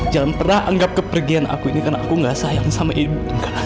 jangan pernah anggap kepergian aku ini karena aku gak sayang sama ibu